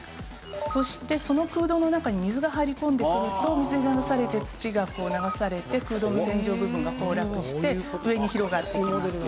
そしてその空洞の中に水が入り込んでくると水に流されて土が流されて空洞の天井部分が崩落して上に広がっていきます。